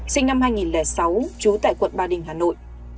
sinh năm hai nghìn sáu trú tại quận ba đình hà nội